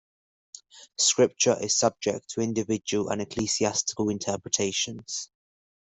Scripture is subject to individual and ecclesiastical interpretations.